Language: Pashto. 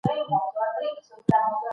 ده عربي او فارسي زده کړي وو